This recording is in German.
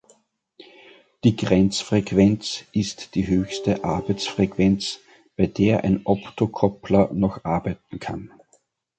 Die Grenzfrequenz ist die höchste Arbeitsfrequenz, bei der ein Optokoppler noch arbeiten kann.